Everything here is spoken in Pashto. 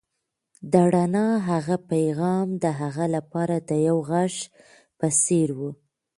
د رڼا هغه پيغام د هغه لپاره د یو غږ په څېر و.